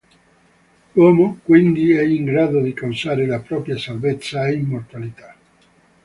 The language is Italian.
L'uomo, quindi, è in grado di causare la propria salvezza e immortalità.